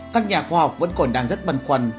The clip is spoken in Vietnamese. các nhà khoa học vẫn còn đang rất băn khoăn